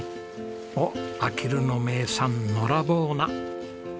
おっあきる野名産のらぼう菜。